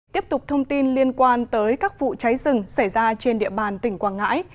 tiếp tục thông tin liên quan tới các vụ cháy rừng xảy ra trên địa bàn tỉnh quảng ngãi